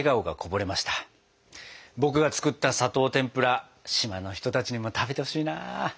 僕が作った砂糖てんぷら島の人たちにも食べてほしいな。